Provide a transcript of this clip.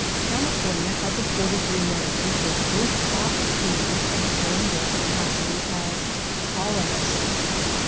California has afforded the Americans their first opportunity of showing their capacity as colonists.